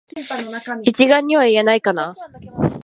一概には言えないかな